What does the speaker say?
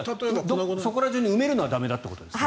そこら中に埋めるのは駄目ということですね。